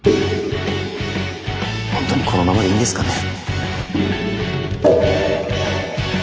本当にこのままでいいんですかね。